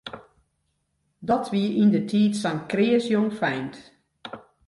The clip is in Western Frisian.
Dat wie yndertiid sa'n kreas jongfeint.